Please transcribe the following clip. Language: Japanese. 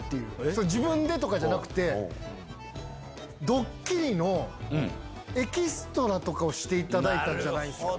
それ、自分でとかじゃなくて、どっきりのエキストラとかをしていただいたんじゃないですか。